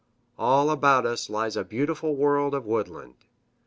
All about us lies a beautiful world of woodland.